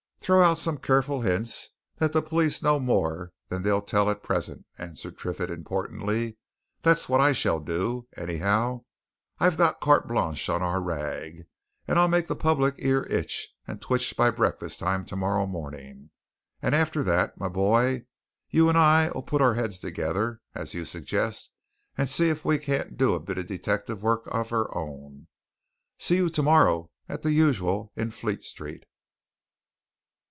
"Throw out some careful hints that the police know more than they'll tell at present," answered Triffitt, importantly. "That's what I shall do, anyhow I've got carte blanche on our rag, and I'll make the public ear itch and twitch by breakfast time tomorrow morning! And after that, my boy, you and I'll put our heads together, as you suggest, and see if we can't do a bit of detective work of our own. See you tomorrow at the usual in Fleet Street."